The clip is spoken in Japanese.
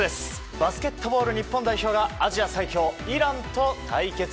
バスケットボール日本代表がアジア最強イランと対決。